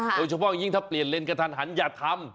โดยเฉพาะยิ่งถ้าเปลี่ยนเลนกระทันหันอย่าทำ